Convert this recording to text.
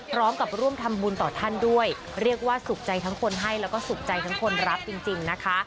พร้อมกับร่วมทำบุญต่อท่านด้วยเรียกว่าสุขใจทั้งคนให้แล้วก็สุขใจทั้งคนรักจริงนะคะ